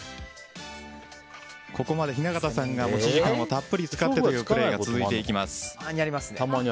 ここまで雛形さんが持ち時間をたっぷり使ってプレーが続いていきます。